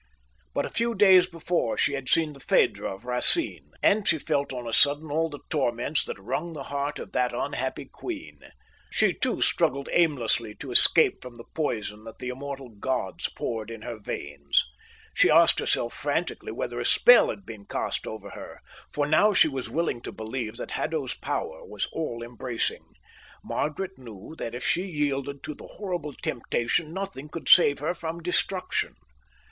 But a few days before she had seen the Phèdre of Racine, and she felt on a sudden all the torments that wrung the heart of that unhappy queen; she, too, struggled aimlessly to escape from the poison that the immortal gods poured in her veins. She asked herself frantically whether a spell had been cast over her, for now she was willing to believe that Haddo's power was all embracing. Margaret knew that if she yielded to the horrible temptation nothing could save her from destruction.